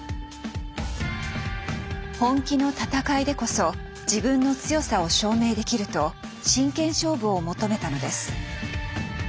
本気の戦いでこそ自分の強さを証明できると真剣勝負を求めたのです。